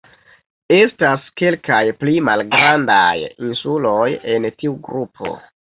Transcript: Estas kelkaj pli malgrandaj insuloj en tiu grupo.